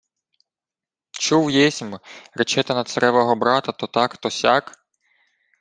— Чув єсмь, речете на царевого брата то так то сяк...